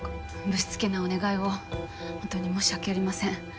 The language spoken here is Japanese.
ぶしつけなお願いを本当に申し訳ありません。